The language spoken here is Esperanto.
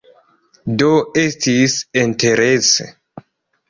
Do, estis interese